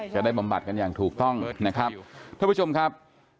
บำบัดกันอย่างถูกต้องนะครับท่านผู้ชมครับ